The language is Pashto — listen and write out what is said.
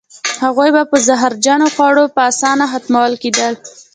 هغوی به په زهرجنو خوړو په اسانه ختمول کېدل.